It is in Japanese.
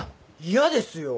嫌ですよ。